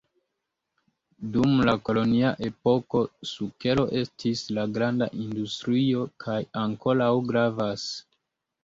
Dum la kolonia epoko, sukero estis la granda industrio kaj ankoraŭ gravas.